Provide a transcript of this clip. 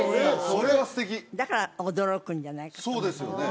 それは素敵だから驚くんじゃないかとそうですよね